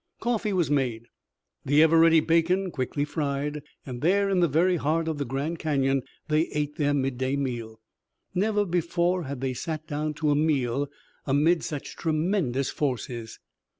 Coffee was made, the ever ready bacon quickly fried and there in the very heart of the Grand Canyon they ate their midday meal. Never before had they sat down to a meal amid such tremendous forces.